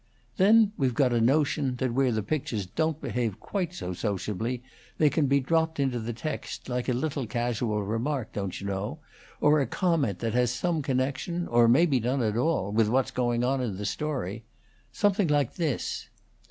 Then we've got a notion that where the pictures don't behave quite so sociably, they can be dropped into the text, like a little casual remark, don't you know, or a comment that has some connection, or maybe none at all, with what's going on in the story. Something like this."